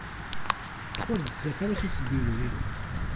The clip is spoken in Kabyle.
ur d-ttaf ara tisebbiwin.